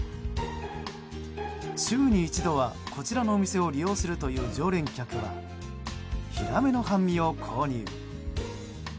週に一度はこちらのお店を利用するという常連客はヒラメの半身を購入。